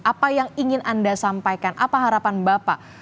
apa yang ingin anda sampaikan apa harapan bapak